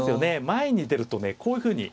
前に出るとねこういうふうに。